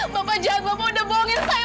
bapak jahat bapak sudah bohongin saya